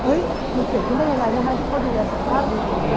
เฮ้ยมันเกิดขึ้นได้ยังไงทำไมทุกคนดูแลสนภาพดูแบบนี้